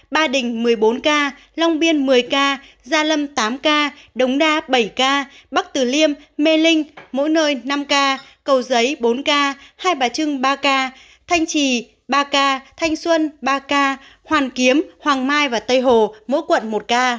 ba đình một mươi bốn ca long biên một mươi ca gia lâm tám ca đống đa bảy ca bắc tử liêm mê linh mỗi nơi năm ca cầu giấy bốn ca hai bà trưng ba ca thanh trì ba ca thanh xuân ba ca hoàn kiếm hoàng mai và tây hồ mỗi quận một ca